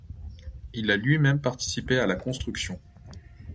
Il a lui-même participé à la construction.